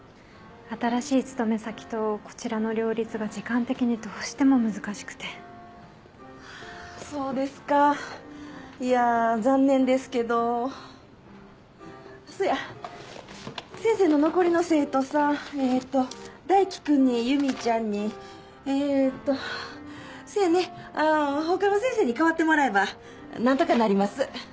新しい勤め先とこちらの両立が時間的にどうしても難しくてそうですかいやー残念ですけどそや先生の残りの生徒さんえっとダイキ君にゆみちゃんにえーっとせやねああーほかの先生に代わってもらえばなんとかなります